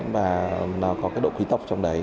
và nó có cái độ khí tốc trong đấy